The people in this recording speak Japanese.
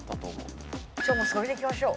じゃあもうそれでいきましょう。